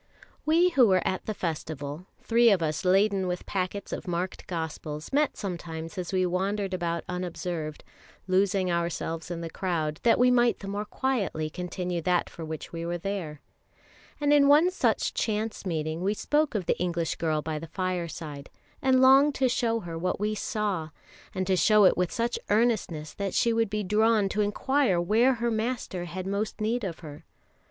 We who were at the festival, three of us laden with packets of marked Gospels, met sometimes as we wandered about unobserved, losing ourselves in the crowd, that we might the more quietly continue that for which we were there; and in one such chance meeting we spoke of the English girl by the fireside, and longed to show her what we saw; and to show it with such earnestness that she would be drawn to inquire where her Master had most need of her.